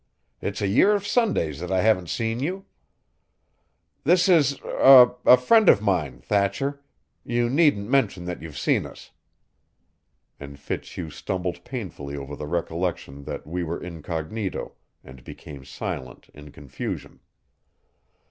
It's a year of Sundays that I haven't seen you. This is er a friend of mine, Thatcher, you needn't mention that you've seen us." And Fitzhugh stumbled painfully over the recollection that we were incognito, and became silent in confusion.